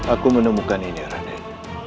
aku menemukan ini raden